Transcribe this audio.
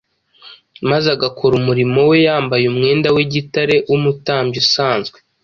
maze agakora umurimo we yambaye umwenda w’igitare w’umutambyi usanzwe,